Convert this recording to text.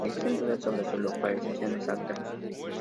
Existen dudas sobre su localización exacta.